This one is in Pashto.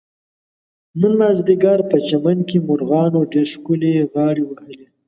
نن مازدیګر په چمن کې مرغانو ډېر ښکلې غاړې وهلې.